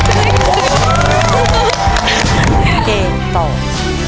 เกมที่ช่วยต่อลมหายใจให้กับคนในครอบครัวครับ